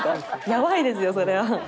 やばいですよそれは。